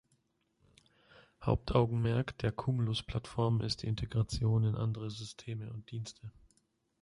Hauptaugenmerk der Cumulus-Plattform ist die Integration in andere Systeme und Dienste.